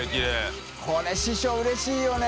これ師匠うれしいよね。